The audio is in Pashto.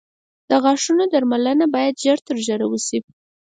• د غاښونو درملنه باید ژر تر ژره وشي.